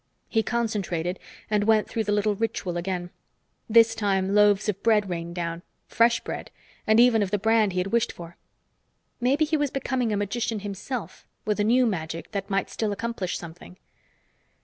He concentrated and went through the little ritual again. This time loaves of bread rained down fresh bread, and even of the brand he had wished for. Maybe he was becoming a magician himself, with a new magic that might still accomplish something.